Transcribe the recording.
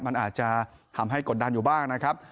มันอาจจะทำให้กดดันอยู่บ้างนะครับ